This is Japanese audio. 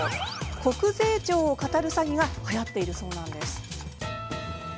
国税庁をかたる詐欺がはやっているそうなんです。